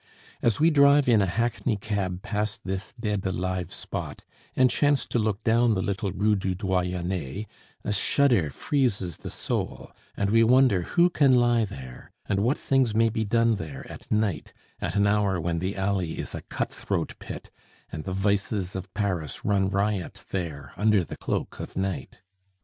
As we drive in a hackney cab past this dead alive spot, and chance to look down the little Rue du Doyenne, a shudder freezes the soul, and we wonder who can lie there, and what things may be done there at night, at an hour when the alley is a cut throat pit, and the vices of Paris run riot there under the cloak of night.